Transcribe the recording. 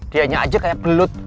dianya aja kayak belut